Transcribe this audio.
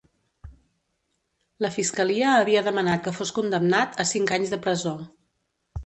La fiscalia havia demanat que fos condemnat a cinc anys de presó.